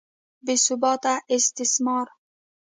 بې ثباته استثمار.